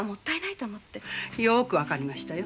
よく分かりましたよ。